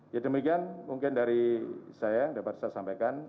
ya demikian mungkin dari saya dapat saya sampaikan